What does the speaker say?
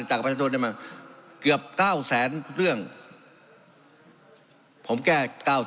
จากประชาชนได้มาเกือบ๙๐๐๐๐๐เรื่องผมแก้๙๐